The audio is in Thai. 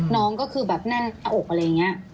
น้องก็คือแบบแน่นหน้าอกอะไรอย่างนี้